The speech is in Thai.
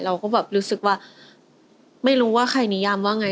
เราก็แบบรู้สึกว่าไม่รู้ว่าใครนิยามว่าไง